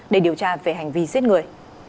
để điều tra về hành vi giết người